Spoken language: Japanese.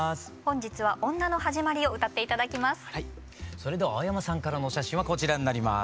それでは青山さんからのお写真はこちらになります。